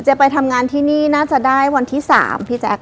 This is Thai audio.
ไปทำงานที่นี่น่าจะได้วันที่๓พี่แจ๊ค